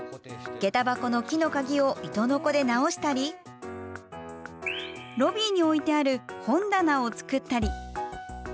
下駄箱の木の鍵を糸のこで直したりロビーに置いてある本棚を作ったり。